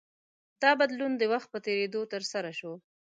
دا بدلون د وخت په تېرېدو ترسره شو.